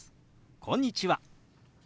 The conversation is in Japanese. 「こんにちは」。